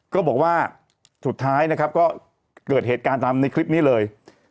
ก็บอกว่าสุดท้ายเกิดเหตุการณ์ทรัพย์นี้เลย